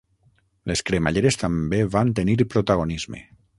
Les cremalleres també van tenir protagonisme.